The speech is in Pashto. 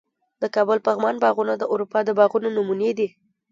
د کابل پغمان باغونه د اروپا د باغونو نمونې دي